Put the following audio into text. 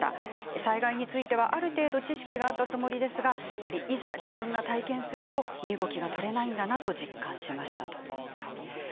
災害については、ある程度知識があったつもりでしたがいざ体験すると身動きが取れないと実感しました。